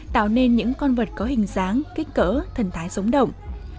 tạo nên những con vật có hình dáng kích cỡ thần thái sống động